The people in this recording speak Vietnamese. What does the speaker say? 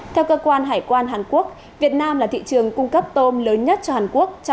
theo cơ quan hải quan hàn quốc việt nam là thị trường cung cấp tôm lớn nhất cho hàn quốc